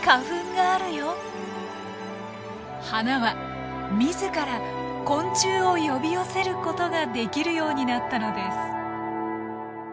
花は自ら昆虫を呼び寄せることができるようになったのです。